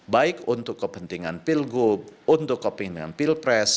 baik untuk kepentingan pilgub untuk kepentingan pilpres